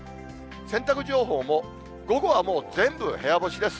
洗濯情報も、午後はもう全部、部屋干しです。